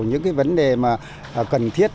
những cái vấn đề mà cần thiết